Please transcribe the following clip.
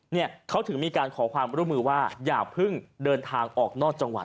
เนี่ยเขาถึงมีการขอความร่วมมือว่าอย่าเพิ่งเดินทางออกนอกจังหวัด